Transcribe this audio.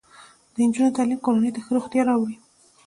د نجونو تعلیم کورنۍ ته ښه روغتیا راوړي.